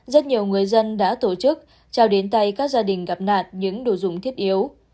rất nhiều người dân đã tổ chức trao đến tay các gia đình gặp nạn những đồ dùng thiết yếu